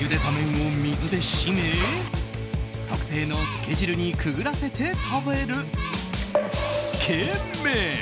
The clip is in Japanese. ゆでた麺を水で締め特製のつけ汁にくぐらせて食べるつけ麺！